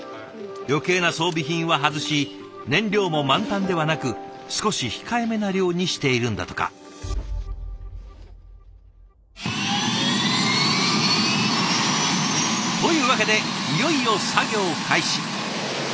余計な装備品は外し燃料も満タンではなく少し控えめな量にしているんだとか。というわけでいよいよ作業開始。